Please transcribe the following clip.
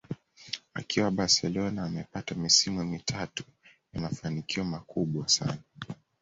Akiwa Barcelona amepata misimu mitatu ya mafanikio makubwa sana